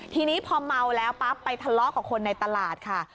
ทีนี้พอเมาแล้วปั๊บไปทะเลาะกับคนในตลาดค่ะ